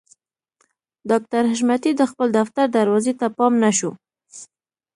ډاکټر حشمتي د خپل دفتر دروازې ته پام نه شو